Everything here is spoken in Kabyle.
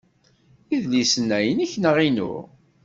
Idlisen-a inekk neɣ inu?